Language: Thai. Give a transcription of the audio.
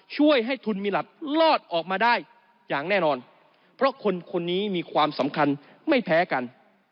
ช่วยให้ทุนมีหลักรอดออกมาได้อย่างแน่นอนเพราะคนคนนี้มีความสำคัญไม่แพ้กัน